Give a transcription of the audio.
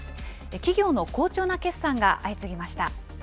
企業の好調な決算が相次ぎました。